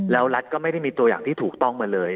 แล้วรัฐก็ไม่ได้มีตัวอย่างที่ถูกต้องมาเลย